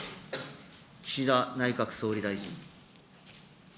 岸田内閣総理大臣。